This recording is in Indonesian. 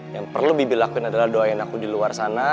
yang perlu bibi lakuin adalah doain aku di luar sana